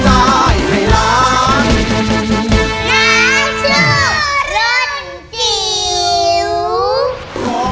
หลานสุขรั้นดิว